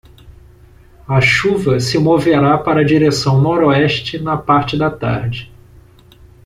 A chuva se moverá para a direção noroeste na parte da tarde.